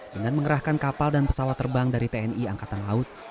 dengan mengerahkan kapal dan pesawat terbang dari tni angkatan laut